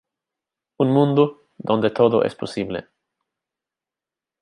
Un mundo donde todo es posible.